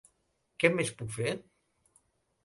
Què més puc fer?